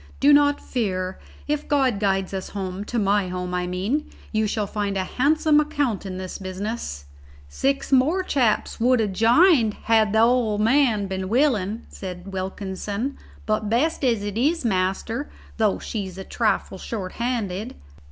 Do not fear: if God guides us home to my home, I mean you shall find a handsome account in this business." "Six more chaps would have jined had th'ole man bin willin'," said Wilkinson. "But best as it is, master, though she's a trifle short handed."